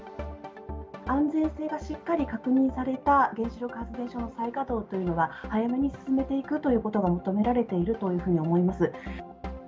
安全性がしっかり確認された原子力発電所の再稼働というのは、早めに進めていくということが求められているというふうに思います。